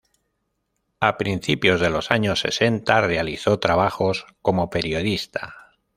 A principios de los años sesenta, realizó trabajos como periodista.